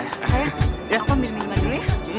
ayah aku ambil minuman dulu ya